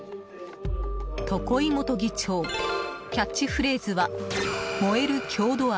常井元議長、キャッチフレーズは「燃える郷土愛。